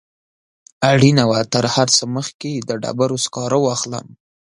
اړینه وه تر هر څه مخکې د ډبرو سکاره واخلم.